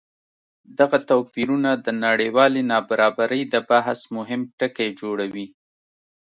دغه توپیرونه د نړیوالې نابرابرۍ د بحث مهم ټکی جوړوي.